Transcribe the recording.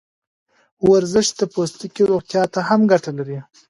ورزش د پوستکي روغتیا ته هم ګټه لري.